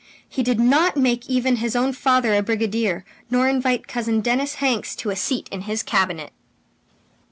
"He did not make even his own father a brigadier nor invite cousin Dennis Hanks to a seat in his Cabinet!"